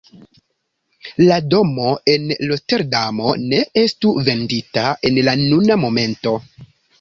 La domo en Roterdamo ne estu vendita en la nuna momento.